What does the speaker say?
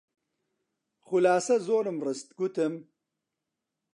خولاسە زۆرم ڕست، گوتم: